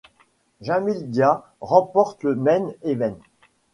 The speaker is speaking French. Jamil Dia remporte le Main Event.